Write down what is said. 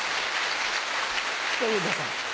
小遊三さん。